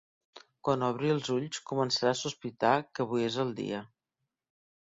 Quan obri els ulls començarà a sospitar que avui és el dia.